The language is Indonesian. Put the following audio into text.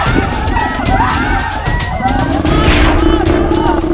sampai jumpa lalu